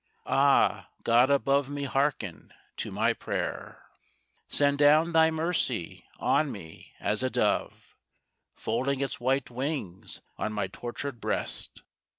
Ah, God above me harken to my prayer! Send down thy mercy on me as a dove Folding its white wings on my tortured breast.